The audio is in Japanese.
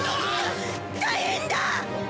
大変だ！